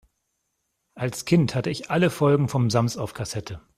Als Kind hatte ich alle Folgen vom Sams auf Kassette.